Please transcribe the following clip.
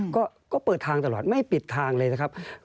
ก็เปิดทางตลอดไม่ปิดทางเลยนะครับ